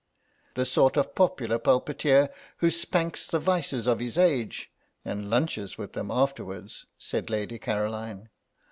"The sort of popular pulpiteer who spanks the vices of his age and lunches with them afterwards," said Lady Caroline.